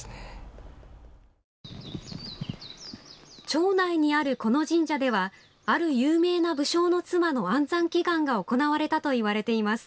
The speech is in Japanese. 町内にあるこの神社ではある有名な武将の妻の安産祈願が行われたといわれています。